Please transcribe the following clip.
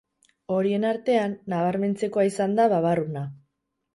Horien artean, nabarmentzekoa izan da babarruna.